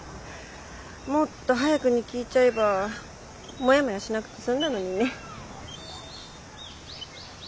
もっと早くに聞いちゃえばモヤモヤしなくて済んだのにね。